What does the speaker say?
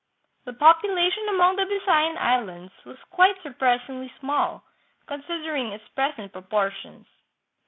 The population among the Bisayan islands was .quite surprisingly small, considering its present proportions.